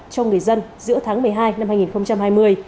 cho người dân giữa tháng một mươi hai năm hai nghìn hai mươi